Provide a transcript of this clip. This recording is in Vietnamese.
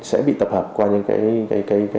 sẽ bị tập hợp qua những cái